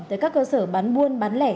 tới các cơ sở bán buôn bán lẻ